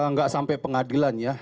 enggak sampai pengadilan ya